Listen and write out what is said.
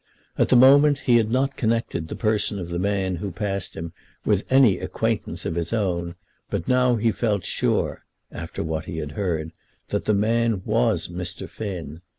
At the moment he had not connected the person of the man who passed him with any acquaintance of his own; but he now felt sure, after what he had heard, that the man was Mr. Finn.